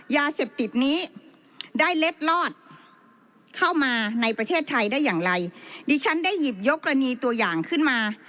ยาเสพติดนี้ได้เล็ดลอดเข้ามาในประเทศไทยได้อย่างไรดิฉันได้หยิบยกกรณีตัวอย่างขึ้นมา